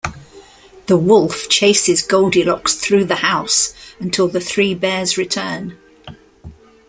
The wolf chases Goldilocks through the house until the Three Bears return.